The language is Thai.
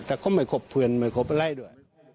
แต่ก็ไม่คบเพื่อนไม่คบอะไรด้วย